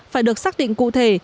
phải được xác định cụ thể